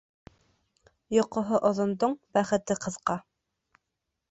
Йоҡоһо оҙондоң бәхете ҡыҫҡа.